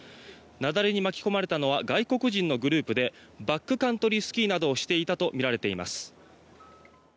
雪崩に巻き込まれたのは外国人のグループでバックカントリースキーなどをしていたとみられています。